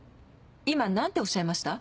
今何ておっしゃいました？